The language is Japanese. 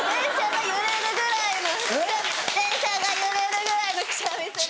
電車が揺れるぐらいのくしゃみする。